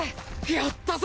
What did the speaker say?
やったぜ！